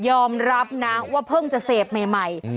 ยอมรับนะว่าเพิ่งจะเสพใหม่